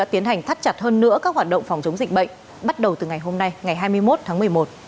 tiến hành thắt chặt hơn nữa các hoạt động phòng chống dịch bệnh bắt đầu từ ngày hôm nay ngày hai mươi một tháng một mươi một